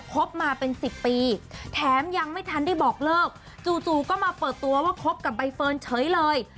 บมาเป็น๑๐ปีแถมยังไม่ทันได้บอกเลิกจู่ก็มาเปิดตัวว่าคบกับใบเฟิร์นเฉยเลย